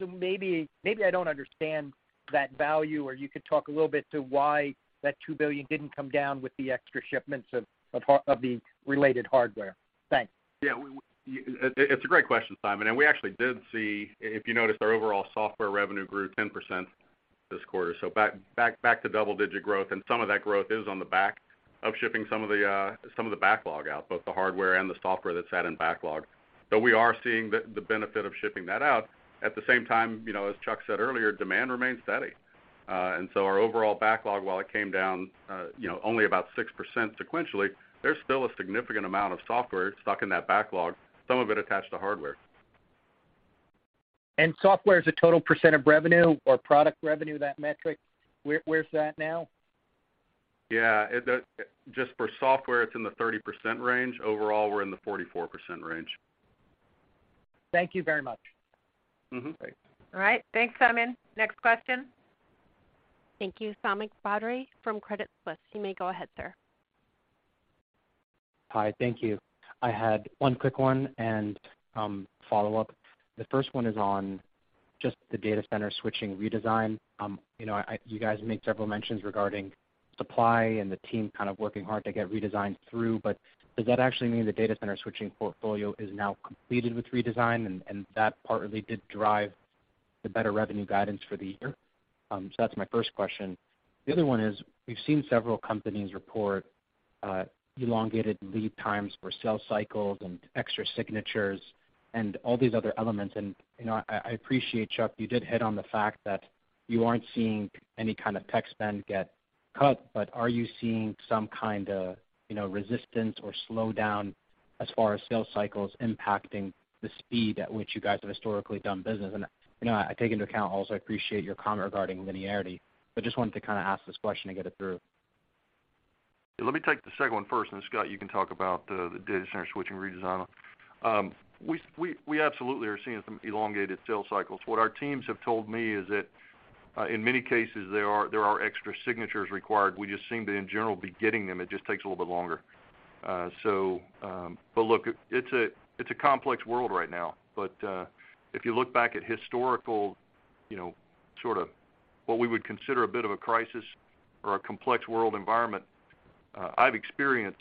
Maybe I don't understand that value, or you could talk a little bit to why that $2 billion didn't come down with the extra shipments of the related hardware? Thanks. Yeah, it's a great question, Simon, and we actually did see, if you noticed, our overall software revenue grew 10% this quarter, back to double digit growth, and some of that growth is on the back of shipping some of the, some of the backlog out, both the hardware and the software that sat in backlog. We are seeing the benefit of shipping that out. At the same time, you know, as Chuck said earlier, demand remains steady. Our overall backlog, while it came down, you know, only about 6% sequentially, there's still a significant amount of software stuck in that backlog, some of it attached to hardware. Software as a total percent of revenue or product revenue, that metric, where's that now? Yeah. It, just for software, it's in the 30% range. Overall, we're in the 44% range. Thank you very much. Mm-hmm. Thanks. All right. Thanks, Simon. Next question. Thank you. Sami Badri from Credit Suisse. You may go ahead, sir. Hi. Thank you. I had one quick one and follow-up. The first one is on just the data center switching redesign. You know, I, you guys made several mentions regarding supply and the team kind of working hard to get redesigns through. Does that actually mean the data center switching portfolio is now completed with redesign, and that partly did drive the better revenue guidance for the year? That's my first question. The other one is we've seen several companies report, elongated lead times for sales cycles and extra signatures and all these other elements. You know, I appreciate, Chuck, you did hit on the fact that you aren't seeing any kind of tech spend get cut, but are you seeing some kind of, you know, resistance or slowdown as far as sales cycles impacting the speed at which you guys have historically done business? You know, I take into account also, I appreciate your comment regarding linearity, but just wanted to kinda ask this question and get it through. Let me take the second one first. Then Scott, you can talk about the data center switching redesign. We absolutely are seeing some elongated sales cycles. What our teams have told me is that in many cases, there are extra signatures required. We just seem to, in general, be getting them. It just takes a little bit longer. Look, it's a complex world right now. If you look back at historical, you know, sort of what we would consider a bit of a crisis or a complex world environment, I've experienced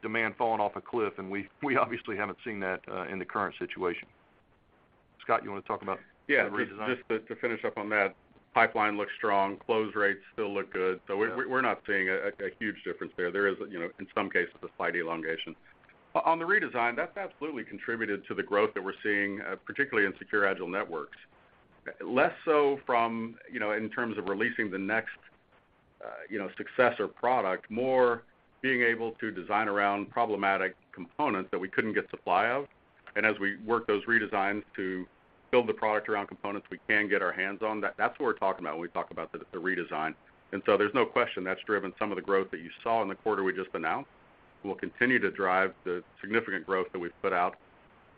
demand falling off a cliff, and we obviously haven't seen that in the current situation. Scott, you wanna talk about the redesign? Yeah. Just to finish up on that, pipeline looks strong, close rates still look good. Yeah. We're not seeing a huge difference there. There is, you know, in some cases, a slight elongation. On the redesign, that's absolutely contributed to the growth that we're seeing, particularly in Secure, Agile Networks. Less so from, you know, in terms of releasing the next, you know, successor product, more being able to design around problematic components that we couldn't get supply of. As we work those redesigns to build the product around components we can get our hands on, that's what we're talking about when we talk about the redesign. There's no question that's driven some of the growth that you saw in the quarter we just announced, will continue to drive the significant growth that we've put out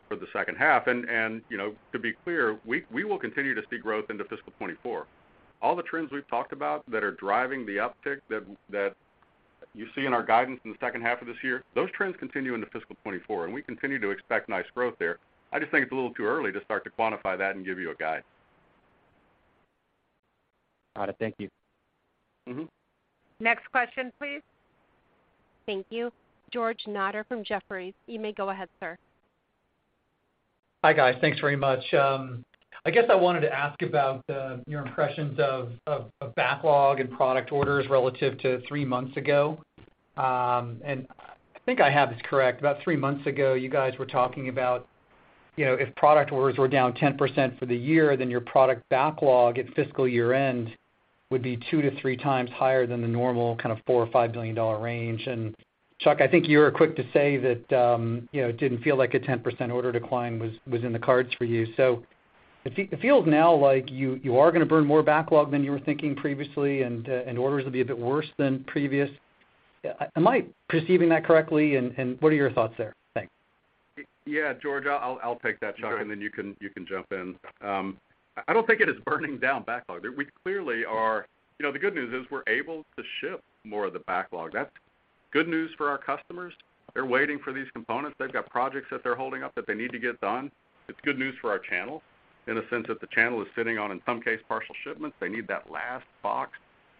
for the second half. You know, to be clear, we will continue to see growth into fiscal 2024. All the trends we've talked about that are driving the uptick that you see in our guidance in the second half of this year, those trends continue into fiscal 2024. We continue to expect nice growth there. I just think it's a little too early to start to quantify that and give you a guide. Got it. Thank you. Mm-hmm. Next question, please. Thank you. George Notter from Jefferies. You may go ahead, sir. Hi, guys. Thanks very much. I guess I wanted to ask about your impressions of backlog and product orders relative to three months ago. I think I have this correct. About three months ago, you guys were talking about, you know, if product orders were down 10% for the year, your product backlog at fiscal year-end would be 2-3 times higher than the normal kind of $4 billion-$5 billion range. Chuck, I think you were quick to say that, you know, it didn't feel like a 10% order decline was in the cards for you. It feels now like you are gonna burn more backlog than you were thinking previously, and orders will be a bit worse than previous. Am I perceiving that correctly, and what are your thoughts there? Thanks. George. I'll take that, Chuck, and then you can jump in. I don't think it is burning down backlog. You know, the good news is we're able to ship more of the backlog. That's good news for our customers. They're waiting for these components. They've got projects that they're holding up that they need to get done. It's good news for our channel in the sense that the channel is sitting on, in some case, partial shipments. They need that last box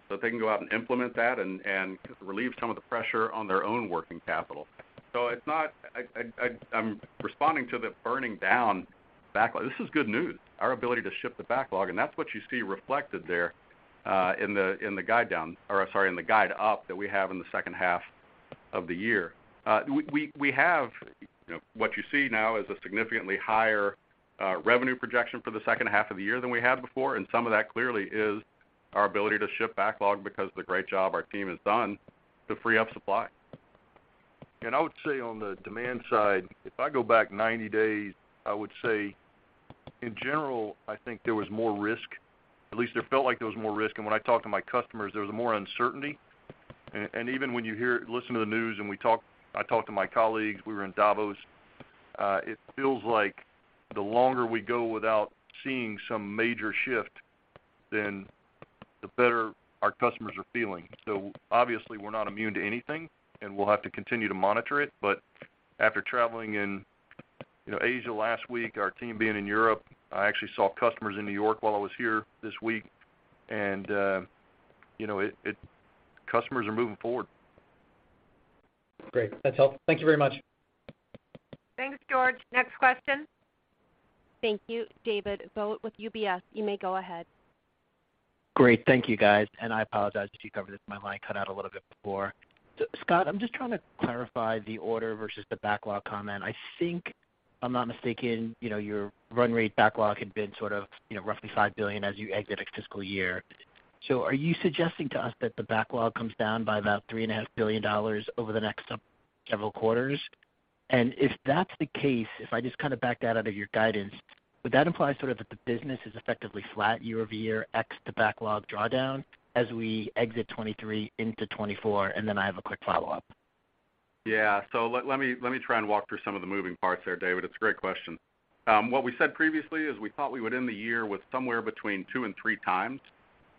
so they can go out and implement that and relieve some of the pressure on their own working capital. I'm responding to the burning down backlog. This is good news, our ability to ship the backlog. That's what you see reflected there in the guide down, or sorry, in the guide up that we have in the second half of the year. We have, you know, what you see now is a significantly higher revenue projection for the second half of the year than we had before. Some of that clearly is our ability to ship backlog because of the great job our team has done to free up supply. I would say on the demand side, if I go back 90 days, I would say in general, I think there was more risk. At least there felt like there was more risk. When I talk to my customers, there was more uncertainty. Even when you listen to the news and we talk, I talk to my colleagues, we were in Davos, it feels like the longer we go without seeing some major shift, then the better our customers are feeling. Obviously, we're not immune to anything, and we'll have to continue to monitor it. After traveling in, you know, Asia last week, our team being in Europe, I actually saw customers in New York while I was here this week, you know, it. Customers are moving forward. Great. That's all. Thank you very much. Thanks, George. Next question. Thank you. David Vogt with UBS. You may go ahead. Great. Thank you, guys. I apologize if you covered this. My line cut out a little bit before. Scott, I'm just trying to clarify the order versus the backlog comment. I think if I'm not mistaken, you know, your run rate backlog had been sort of, you know, roughly $5 billion as you exit a fiscal year. Are you suggesting to us that the backlog comes down by about $3.5 billion over the next several quarters? If that's the case, if I just kind of back that out of your guidance, would that imply sort of that the business is effectively flat year-over-year ex the backlog drawdown as we exit 2023 into 2024? I have a quick follow-up. Yeah. Let me try and walk through some of the moving parts there, David. It's a great question. What we said previously is we thought we would end the year with somewhere between two and three times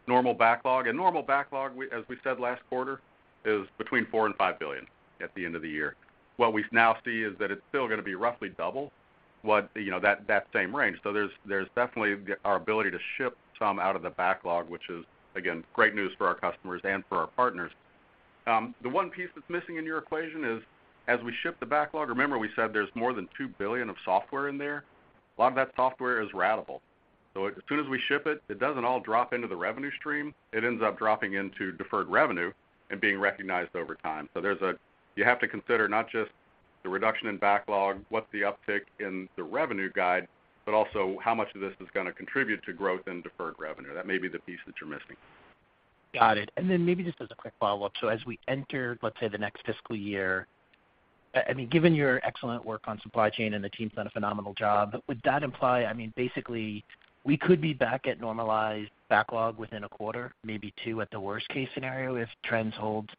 normal backlog. Normal backlog, we, as we said last quarter, is between $4 billion and $5 billion at the end of the year. What we now see is that it's still gonna be roughly double what, you know, that same range. There's definitely our ability to ship some out of the backlog, which is, again, great news for our customers and for our partners. The one piece that's missing in your equation is, as we ship the backlog, remember we said there's more than $2 billion of software in there. A lot of that software is ratable. As soon as we ship it doesn't all drop into the revenue stream. It ends up dropping into deferred revenue and being recognized over time. You have to consider not just the reduction in backlog, what's the uptick in the revenue guide, but also how much of this is gonna contribute to growth in deferred revenue. That may be the piece that you're missing. Got it. Then maybe just as a quick follow-up. As we enter, let's say, the next fiscal year, I mean, given your excellent work on supply chain and the team's done a phenomenal job, would that imply, I mean, basically, we could be back at normalized backlog within a quarter, maybe two at the worst case scenario if trends hold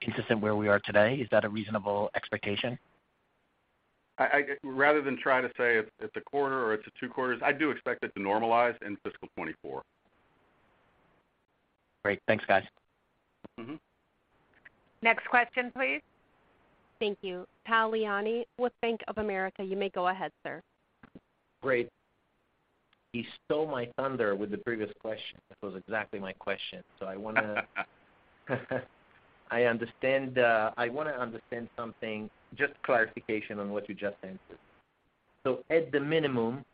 consistent where we are today? Is that a reasonable expectation? Rather than try to say it's a quarter or it's two quarters, I do expect it to normalize in fiscal 2024. Great. Thanks, guys. Mm-hmm. Next question, please. Thank you. Tal Liani with Bank of America, you may go ahead, sir. Great. He stole my thunder with the previous question. That was exactly my question. I wanna understand something, just clarification on what you just answered. At the minimum,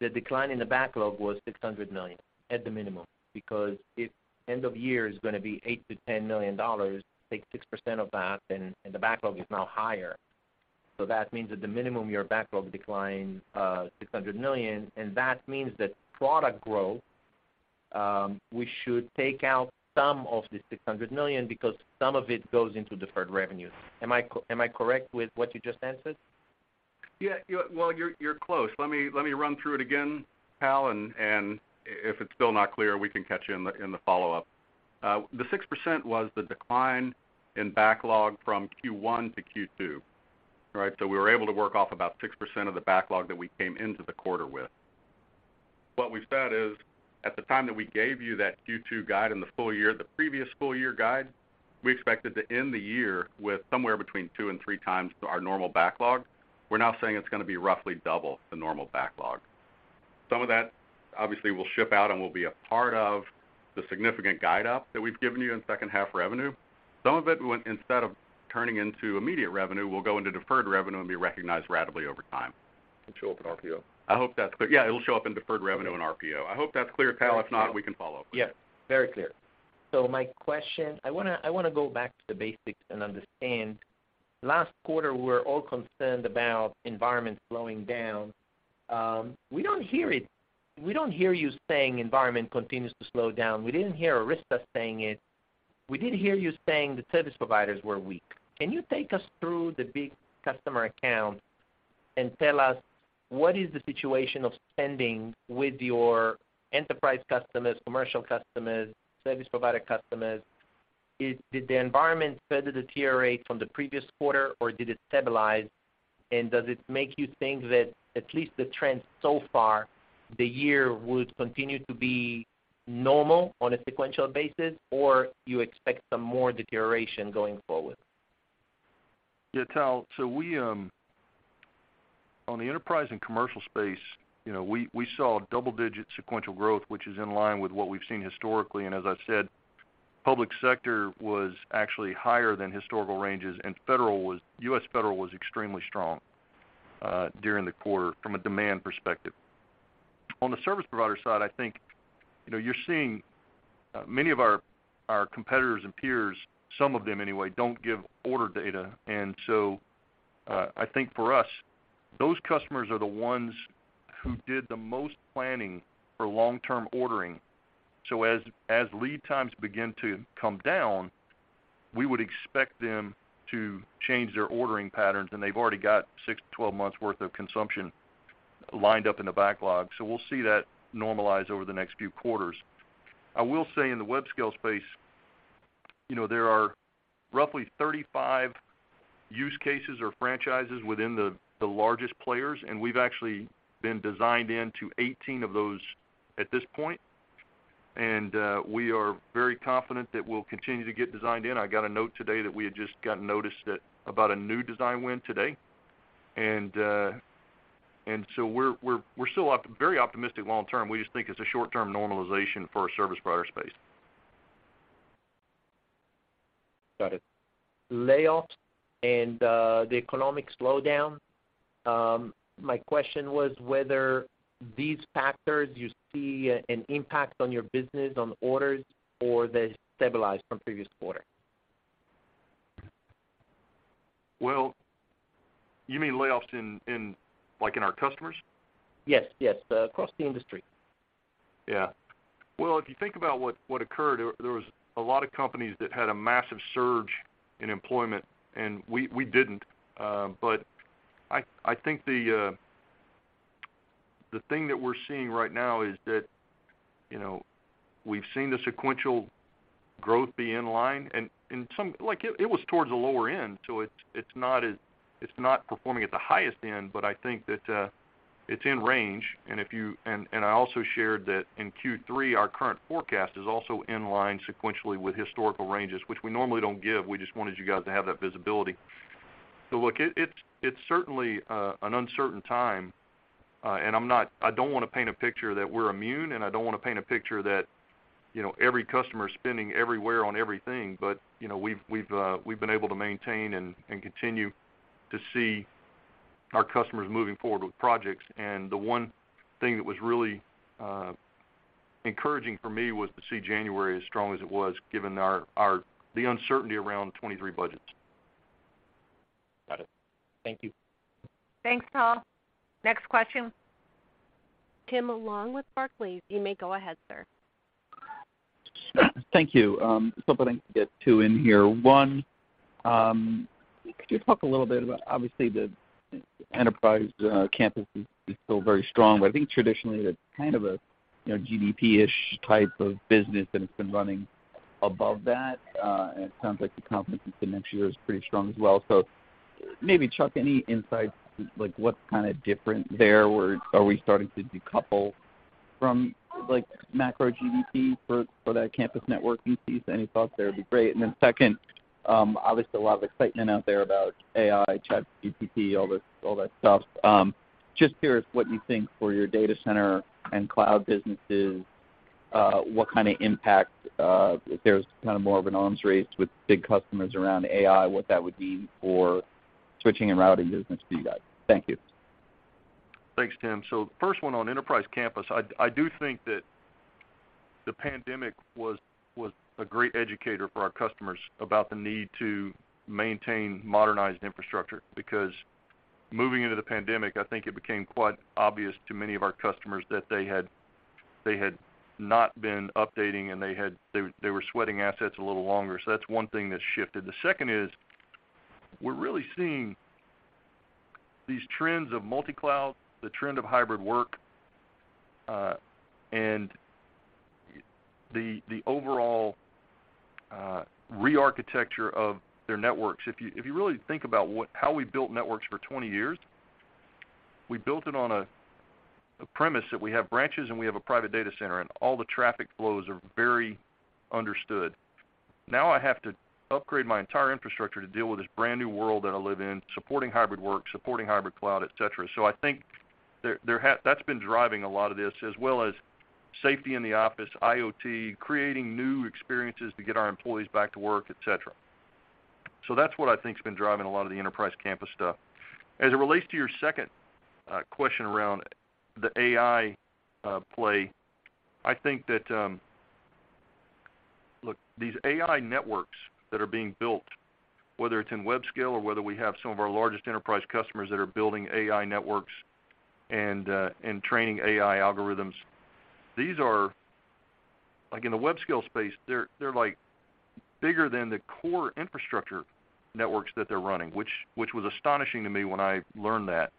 the decline in the backlog was $600 million, at the minimum, because if end of year is gonna be $8 million-$10 million, take 6% of that, and the backlog is now higher. That means at the minimum, your backlog declined $600 million, and that means that product growth, we should take out some of this $600 million because some of it goes into deferred revenue. Am I correct with what you just answered? Yeah. Well, you're close. Let me run through it again, Tal, and if it's still not clear, we can catch you in the follow-up. The 6% was the decline in backlog from Q1 to Q2, right? We were able to work off about 6% of the backlog that we came into the quarter with. What we said is, at the time that we gave you that Q2 guide and the full year, the previous full year guide, we expected to end the year with somewhere between two and three times our normal backlog. We're now saying it's gonna be roughly double the normal backlog. Some of that obviously will ship out and will be a part of the significant guide up that we've given you in second half revenue. Some of it when, instead of turning into immediate revenue, will go into deferred revenue and be recognized ratably over time. It'll show up in RPO. I hope that's clear. Yeah, it'll show up in deferred revenue in RPO. I hope that's clear, Tal. If not, we can follow up with you. Yes, very clear. My question, I want to, I want to go back to the basics and understand, last quarter, we were all concerned about environment slowing down. We don't hear it. We don't hear you saying environment continues to slow down. We didn't hear Arista saying it. We did hear you saying the service providers were weak. Can you take us through the big customer accounts and tell us what is the situation of spending with your enterprise customers, commercial customers, service provider customers? Did the environment further deteriorate from the previous quarter, or did it stabilize? Does it make you think that at least the trend so far, the year would continue to be normal on a sequential basis, or you expect some more deterioration going forward? Yeah, Tal. So we, on the enterprise and commercial space, you know, we saw double-digit sequential growth, which is in line with what we've seen historically. As I said, public sector was actually higher than historical ranges, and federal was U.S. federal was extremely strong during the quarter from a demand perspective. On the service provider side, I think, you know, you're seeing many of our competitors and peers, some of them anyway, don't give order data. I think for us, those customers are the ones who did the most planning for long-term ordering. As lead times begin to come down, we would expect them to change their ordering patterns, and they've already got 6-12 months worth of consumption lined up in the backlog. We'll see that normalize over the next few quarters. I will say in the web scale space, you know, there are roughly 35 use cases or franchises within the largest players, and we've actually been designed into 18 of those at this point. We are very confident that we'll continue to get designed in. I got a note today that we had just gotten noticed about a new design win today. We're still very optimistic long term. We just think it's a short-term normalization for our service provider space. Got it. Layoffs and the economic slowdown, my question was whether these factors you see an impact on your business, on orders, or they stabilized from previous quarter? Well, you mean layoffs in, like in our customers? Yes. Yes. across the industry. Yeah. Well, if you think about what occurred, there was a lot of companies that had a massive surge in employment, and we didn't. I think the thing that we're seeing right now is that, you know, we've seen the sequential growth be in line and, like it was towards the lower end, so it's not performing at the highest end, but I think that it's in range. I also shared that in Q3, our current forecast is also in line sequentially with historical ranges, which we normally don't give. We just wanted you guys to have that visibility. Look, it's certainly an uncertain time, and I don't wanna paint a picture that we're immune, and I don't wanna paint a picture that, you know, every customer is spending everywhere on everything. You know, we've been able to maintain and continue to see our customers moving forward with projects. The one thing that was really encouraging for me was to see January as strong as it was, given our the uncertainty around 23 budgets. Got it. Thank you. Thanks, Tal. Next question. Tim Long with Barclays, you may go ahead, sir. Thank you. If I can get two in here. One, could you talk a little bit about obviously the enterprise campus is still very strong, but I think traditionally it's kind of a, you know, GDP-ish type of business that it's been running above that. It sounds like the confidence in next year is pretty strong as well. Maybe Chuck, any insights like what's kind of different there, where are we starting to decouple from like macro GDP for that campus networking piece? Any thoughts there would be great. Then second, obviously a lot of excitement out there about AI, ChatGPT, all this, all that stuff. Just curious what you think for your data center and cloud businesses, what kind of impact, if there's kind of more of an arms race with big customers around AI, what that would mean for switching and routing business for you guys? Thank you. Thanks, Tim. First one on enterprise campus. I do think that the pandemic was a great educator for our customers about the need to maintain modernized infrastructure. Moving into the pandemic, I think it became quite obvious to many of our customers that they had, they were sweating assets a little longer. That's one thing that shifted. The second is we're really seeing these trends of multi-cloud, the trend of hybrid work, and the overall rearchitecture of their networks. If you, if you really think about how we built networks for 20 years, we built it on a premise that we have branches and we have a private data center, and all the traffic flows are very understood. I have to upgrade my entire infrastructure to deal with this brand-new world that I live in, supporting hybrid work, supporting hybrid cloud, et cetera. I think there, That's been driving a lot of this, as well as safety in the office, IoT, creating new experiences to get our employees back to work, et cetera. That's what I think has been driving a lot of the enterprise campus stuff. As it relates to your second question around the AI play, I think that. Look, these AI networks that are being built, whether it's in web scale or whether we have some of our largest enterprise customers that are building AI networks and training AI algorithms, these are like in the web scale space, they're like bigger than the core infrastructure networks that they're running, which was astonishing to me when I learned that.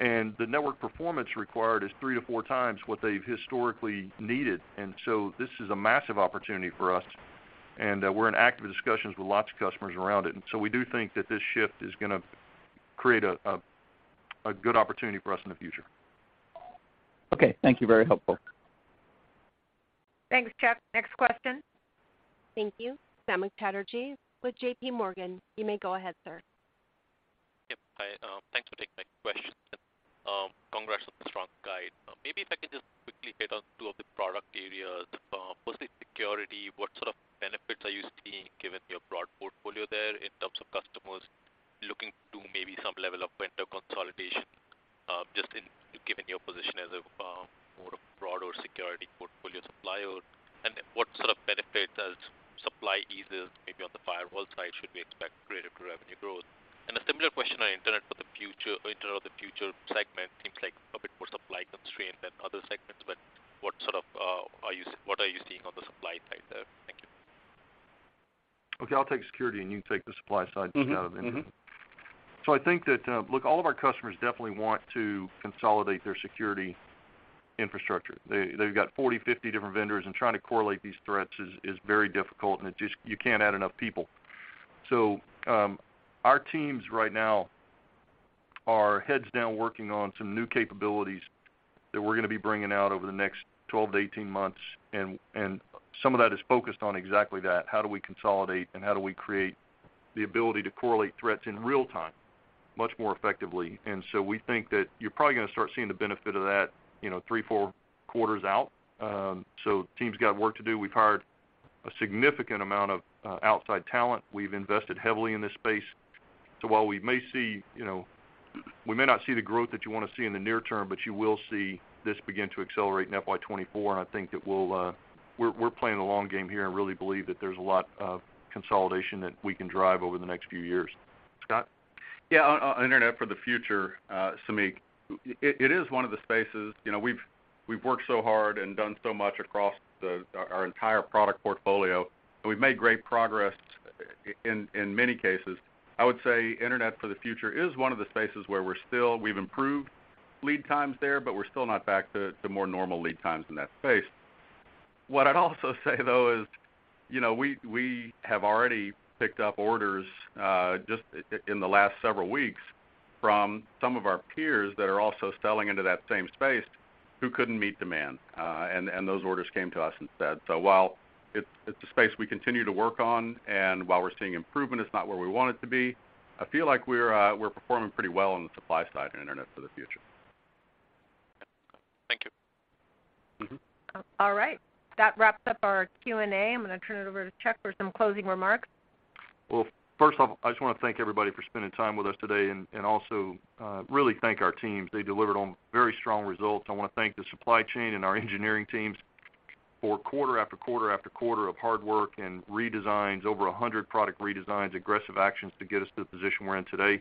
The network performance required is three to four times what they've historically needed. This is a massive opportunity for us, and we're in active discussions with lots of customers around it. We do think that this shift is gonna create a good opportunity for us in the future. Okay. Thank you. Very helpful. Thanks, Chuck. Next question. Thank you. Samik Chatterjee with J.P. Morgan. You may go ahead, sir. Yep. Hi, thanks for taking my question. Congrats on the strong guide. Maybe if I could just quickly hit on two of the product areas. Firstly, security, what sort of benefits are you seeing given your broad portfolio there in terms of customers looking to maybe some level of vendor consolidation, just given your position as a more of broader security portfolio supplier? What sort of benefits as supply eases maybe on the firewall side should we expect greater revenue growth? A similar question on Internet for the Future segment. Seems like a bit more supply constraint than other segments, but what are you seeing on the supply side there? Thank you. Okay, I'll take security and you can take the supply side piece out of it. Mm-hmm. Mm-hmm. I think that, look, all of our customers definitely want to consolidate their security infrastructure. They've got 40, 50 different vendors, and trying to correlate these threats is very difficult and you can't add enough people. Our teams right now are heads down working on some new capabilities that we're gonna be bringing out over the next 12 to 18 months. And some of that is focused on exactly that, how do we consolidate and how do we create the ability to correlate threats in real time much more effectively. We think that you're probably gonna start seeing the benefit of that, you know, three, four quarters out. Team's got work to do. We've hired a significant amount of outside talent. We've invested heavily in this space. While we may see, you know, we may not see the growth that you wanna see in the near term, but you will see this begin to accelerate in FY24. I think that we'll, we're playing the long game here and really believe that there's a lot of consolidation that we can drive over the next few years. Scott? Yeah, on Internet for the Future, Samik, it is one of the spaces. You know, we've worked so hard and done so much across our entire product portfolio, and we've made great progress in many cases. I would say Internet for the Future is one of the spaces where we're still. We've improved lead times there, but we're still not back to more normal lead times in that space. What I'd also say though is, you know, we have already picked up orders, just in the last several weeks from some of our peers that are also selling into that same space who couldn't meet demand, and those orders came to us instead. While it's a space we continue to work on and while we're seeing improvement, it's not where we want it to be, I feel like we're performing pretty well on the supply side in Internet for the Future. Thank you. Mm-hmm. All right. That wraps up our Q&A. I'm gonna turn it over to Chuck for some closing remarks. Well, first off, I just wanna thank everybody for spending time with us today and also really thank our teams. They delivered on very strong results. I wanna thank the supply chain and our engineering teams for quarter after quarter after quarter of hard work and redesigns, over 100 product redesigns, aggressive actions to get us to the position we're in today.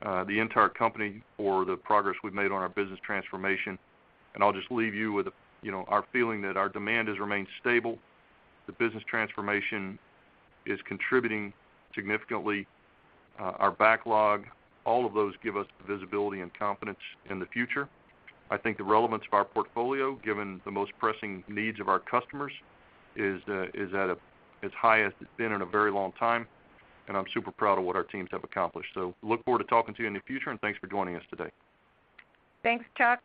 The entire company for the progress we've made on our business transformation. I'll just leave you with, you know, our feeling that our demand has remained stable. The business transformation is contributing significantly. Our backlog, all of those give us visibility and confidence in the future. I think the relevance of our portfolio, given the most pressing needs of our customers, is as high as it's been in a very long time. I'm super proud of what our teams have accomplished. Look forward to talking to you in the future. Thanks for joining us today. Thanks, Chuck.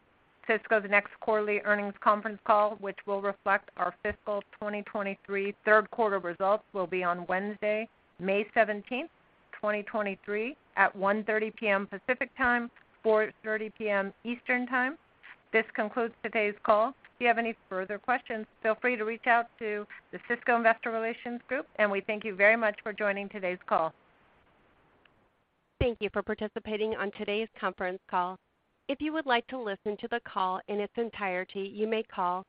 Cisco's next quarterly earnings conference call, which will reflect our fiscal 2023 third quarter results, will be on Wednesday, May 17th, 2023 at 1:30 P.M. Pacific Time, 4:30 P.M. Eastern Time. This concludes today's call. If you have any further questions, feel free to reach out to the Cisco investor relations group, we thank you very much for joining today's call. Thank you for participating on today's conference call. If you would like to listen to the call in its entirety, you may call...